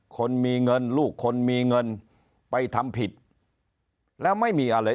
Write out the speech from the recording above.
คนมีเงินลูกคนมีเงินไปทำผิดแล้วไม่มีอะไร